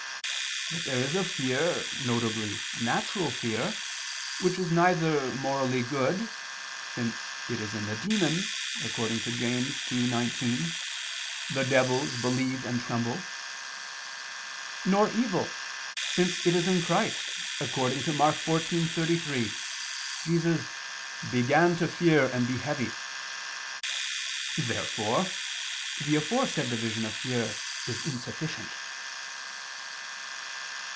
But there is a fear, viz. natural fear, which is neither morally good, since it is in the demons, according to James 2:19, "The devils ... believe and tremble," nor evil, since it is in Christ, according to Mk. 14:33, Jesus "began to fear and be heavy." Therefore the aforesaid division of fear is insufficient.